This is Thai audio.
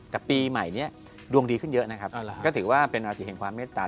แต่ปีใหม่นี้ดวงดีขึ้นเยอะนะครับก็ถือว่าเป็นราศีแห่งความเมตตา